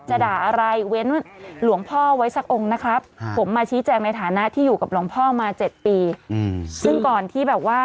จะด่าอะไรเว้นหลวงพ่อไว้สักองค์นะครับผมมาชี้แจกในฐานะที่อยู่กับหลวงพ่อมา๗ปี